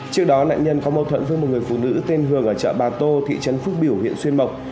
trước đó nạn nhân có mâu thuẫn với một người phụ nữ tên hường ở chợ bà tô thị trấn phúc biểu huyện xuyên mộc